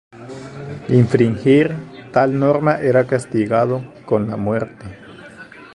Infringir tal norma era castigado con la muerte.